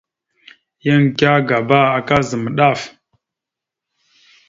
Yan ikire agaba, aka zam daf.